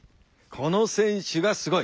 この選手がすごい。